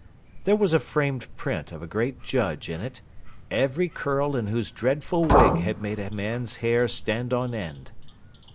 There was a framed print of a great judge in it, every curl in whose dreadful wig had made a man's hair stand on end.